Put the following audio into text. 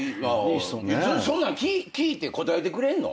そんなん聞いて答えてくれんの？